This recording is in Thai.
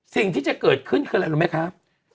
สิ่งที่จะเกิดขึ้นคืออะไรรู้ไหมครับ